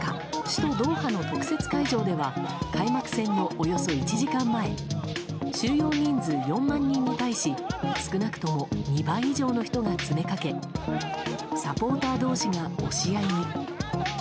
首都ドーハの特設会場では開幕戦のおよそ１時間前収容人数４万人に対し少なくとも２倍以上の人が詰めかけサポーター同士が押し合いに。